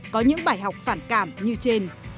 có những bài học phản cảm như trên